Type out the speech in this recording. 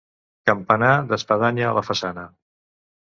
Campanar d'espadanya a la façana.